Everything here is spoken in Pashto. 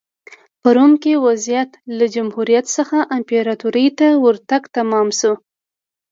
په روم کې وضعیت له جمهوریت څخه امپراتورۍ ته ورتګ تمام شو